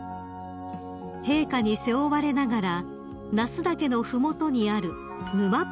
［陛下に背負われながら那須岳の麓にある沼ッ